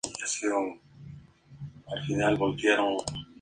Esto vino en forma del sobrino de Colosimo Johnny Torrio desde Nueva York.